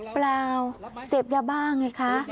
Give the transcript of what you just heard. เปล่าเสพยาบ้าไงคะ